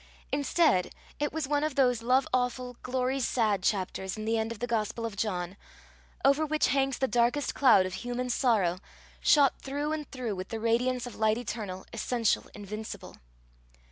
Instead, it was one of those love awful, glory sad chapters in the end of the Gospel of John, over which hangs the darkest cloud of human sorrow, shot through and through with the radiance of light eternal, essential, invincible.